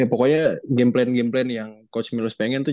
ya pokoknya game plan game plan yang coach milos pengen tuh